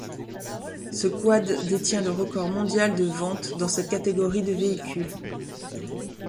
Ce quad détient le record mondial de ventes dans cette catégorie de véhicules.